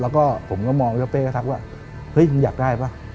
ก็ผมก็มองแล้วเป๊ก็ทักว่าเฮ้ยมึงอยากได้ป่ะ